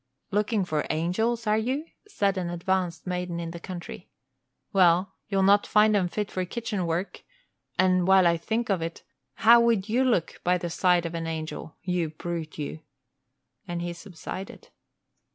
"Looking for angels, are you?" said an advanced maiden in the country. "Well, you'll not find 'em fit for kitchen work; and, while I think of it, how would you look by the side of an angel, you brute you?" and he subsided.